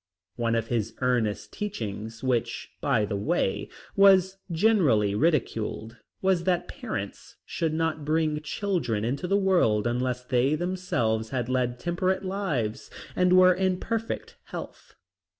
One of his earnest teachings, which, by the way, was generally ridiculed, was that parents should not bring children into the world unless they themselves had led temperate lives and were in perfect health.